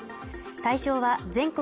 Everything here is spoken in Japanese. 対象は全国